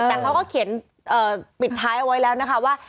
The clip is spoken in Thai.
แต่เขาก็เขียนปิดท้ายเอาไว้แล้วนะคะว่า